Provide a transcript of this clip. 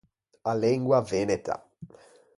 A lengua veneta.